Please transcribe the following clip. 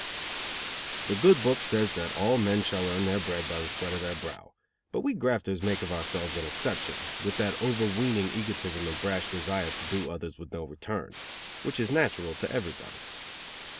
The good book says that all men shall earn their bread by the sweat of their brow, but we grafters make of ourselves an exception, with that overweening egotism and brash desire to do others with no return, which is natural to everybody.